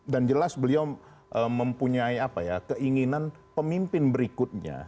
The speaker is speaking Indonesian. dan jelas beliau mempunyai apa ya keinginan pemimpin berikutnya